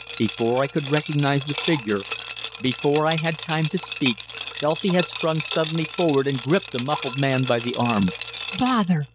Before I could recognize the figure, before I had time to speak, Dulcie had sprung suddenly forward and gripped the muffled man by the arm. "Father!"